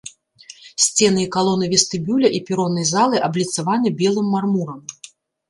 Сцены і калоны вестыбюля і пероннай залы абліцаваны белым мармурам.